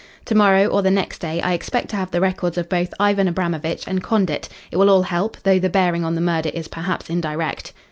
To morrow or the next day, I expect to have the records of both Ivan Abramovitch and Condit. It will all help, though the bearing on the murder is perhaps indirect."